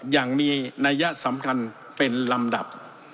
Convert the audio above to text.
อย่างมีนัยสำคัญเป็นลำดับ